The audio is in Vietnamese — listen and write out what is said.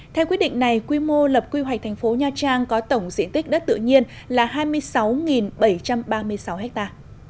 theo quyết định này quy mô lập quy hoạch thành phố nha trang có tổng diện tích đất tự nhiên là hai mươi sáu bảy trăm ba mươi sáu ha